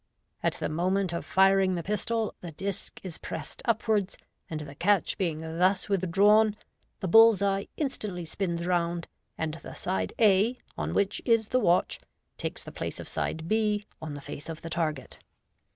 At the moment of firing the pistol the disc is pressed upwards, and the catch being thus with drawn, the bull's eye instantly spins round, and the side a, on w'»ich is the watch, takes the place of side I on the face of the target.